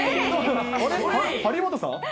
張本さん？